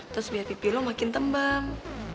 terus biar pipi lo makin tembang